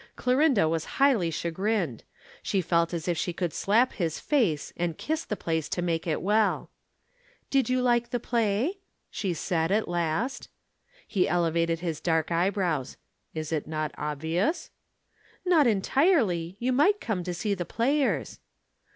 Clorinda was highly chagrined. She felt as if she could slap his face and kiss the place to make it well. "Did you like the play?" she said, at last. He elevated his dark eyebrows. "Is it not obvious?" "Not entirely. You might come to see the players."